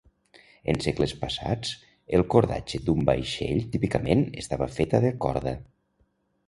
En segles passats, el cordatge d'un vaixell típicament estava feta de corda.